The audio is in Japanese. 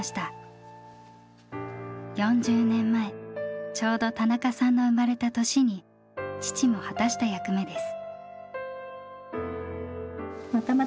４０年前ちょうど田中さんの生まれた年に父も果たした役目です。